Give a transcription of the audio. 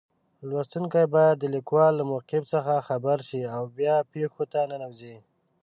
لوستونکی باید د لیکوال له موقف څخه خبر شي او بیا پېښو ته ننوځي.